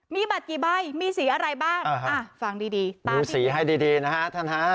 มีบัตรกี่ใบมีสีอะไรบ้างฟังดีดีดูสีให้ดีนะฮะท่านฮะ